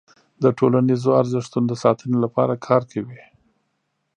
د ټولنیزو ارزښتونو د ساتنې لپاره کار کوي.